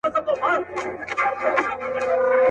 هم به مور هم به عالم درنه راضي وي.